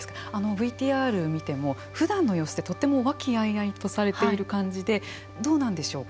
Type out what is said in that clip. ＶＴＲを見てもふだんの様子ってとても和気あいあいとされている感じでどうなんでしょうか。